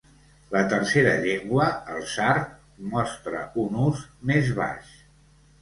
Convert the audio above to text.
La tercera llengua, el sard, mostra un ús més baix.